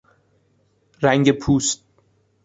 رنگ پوست